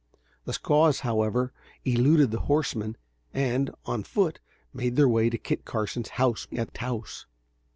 The squaws however eluded these horsemen, and, on foot, made their way to Kit Carson's house at Taos.